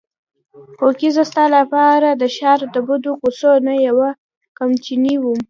هوکې زه ستا لپاره د ښار د بدو کوڅو نه یوه کمچنۍ وم.